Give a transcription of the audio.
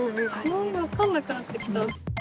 分かんなくなってきた。